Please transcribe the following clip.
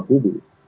masih dua kubu